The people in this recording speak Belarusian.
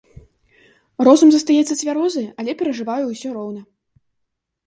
Розум застаецца цвярозы, але перажываю ўсё роўна.